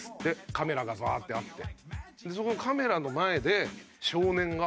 カメラがバーッてあって。